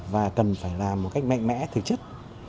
và cần phải làm một cách mạnh mẽ thực chất